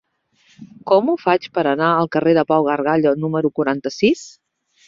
Com ho faig per anar al carrer de Pau Gargallo número quaranta-sis?